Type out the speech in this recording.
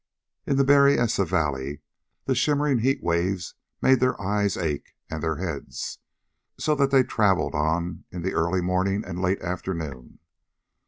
In the Berryessa Valley, the shimmering heat waves made their eyes ache, and their heads; so that they traveled on in the early morning and late afternoon.